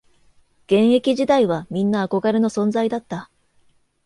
現役時代はみんな憧れの存在だった